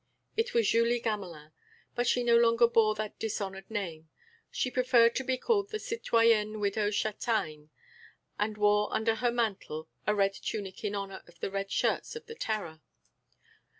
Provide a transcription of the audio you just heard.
It was Julie Gamelin; but she no longer bore that dishonoured name, she preferred to be called the citoyenne widow Chassagne, and wore, under her mantle, a red tunic in honour of the red shirts of the terror.